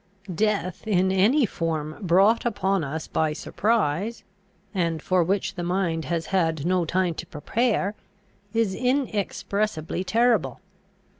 Death in any form brought upon us by surprise, and for which the mind has had no time to prepare, is inexpressibly terrible.